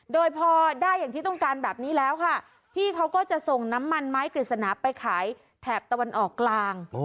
โดยพอได้อย่างที่ต้องการแบบนี้แล้วค่ะพี่เขาก็จะส่งน้ำมันไม้กฤษณาไปขายแถบตะวันออกกลาง